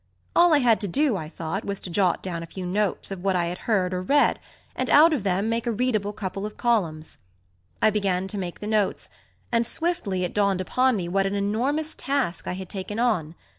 All I had to do, I thought, was to jot down a few notes of what I had heard or read, and out of them make a readable couple of columns. I began to make the notes, and swiftly it dawned upon me what an enormous task I had taken on.